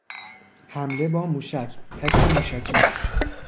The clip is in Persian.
حمله با موشک، تک موشکی